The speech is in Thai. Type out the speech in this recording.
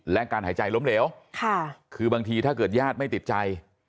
และการหายใจล้มเหลวคือบางทีถ้าเกิดญาติไม่ติดใจ